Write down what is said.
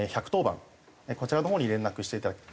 こちらのほうに連絡していただきます。